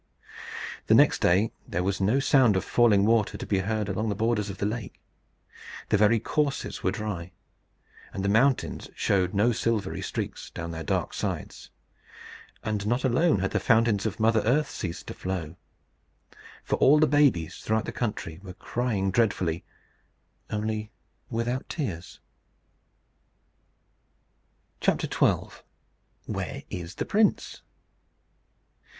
The next day there was no sound of falling water to be heard along the borders of the lake. The very courses were dry; and the mountains showed no silvery streaks down their dark sides. And not alone had the fountains of mother Earth ceased to flow; for all the babies throughout the country were crying dreadfully only without tears. XII. WHERE IS THE PRINCE?